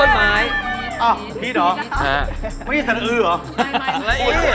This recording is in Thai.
มันไม่ใช่สัญลักษณ์อึ่หรอ